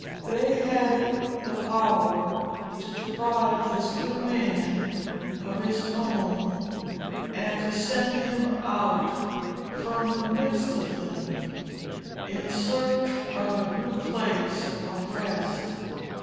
They had the power to deprive this good man of his home, and to send him out from the midst of them, in search of a new place of rest.